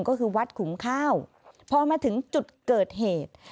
ก็คือวัดขุมข้าวพอมาถึงจุดเกิดเหตุ